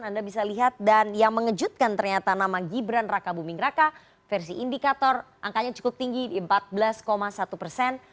anda bisa lihat dan yang mengejutkan ternyata nama gibran raka buming raka versi indikator angkanya cukup tinggi di empat belas satu persen